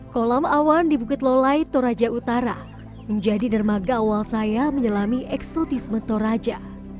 kolam awan di bukit lolai toraja utara menjadi dermaga awal saya menyelami eksotisme toraja